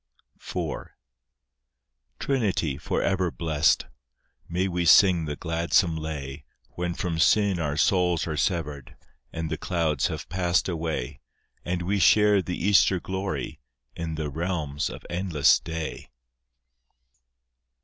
IV Trinity, for ever blessed! May we sing the gladsome lay, When from sin our souls are severed, And the clouds have passed away, And we share the Easter glory, In the realms of endless day?